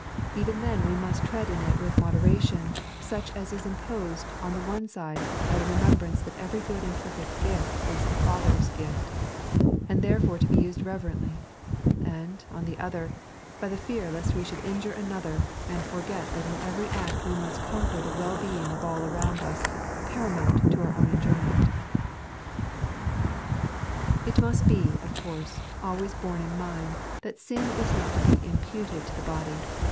Even then we must tread in it with modera tion, such as is imposed on the one side by the remem brance that every good and perfect gift is the Father's gift, and therefore to be used reverently ; and, on the other, by the fear lest we should injure another, and forget that in every act we must consider the well being of all around us as paramount to our own enjoyment. It must be, of course, always borne in mind that Hn ia iu>i to be viMpvied to the body.